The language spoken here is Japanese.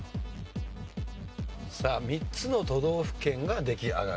さあ３つの都道府県が出来上がる。